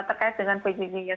terkait dengan pjj sendiri karena